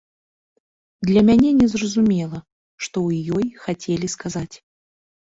Для мяне незразумела, што ў ёй хацелі сказаць.